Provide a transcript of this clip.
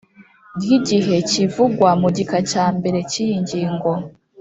Ry igihe kivugwa mu gika cya mbere cy iyi ngingo